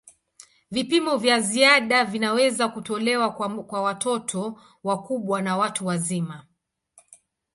Vipimo vya ziada vinaweza kutolewa kwa watoto wakubwa na watu wazima.